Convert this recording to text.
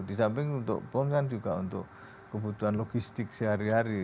di samping untuk pon kan juga untuk kebutuhan logistik sehari hari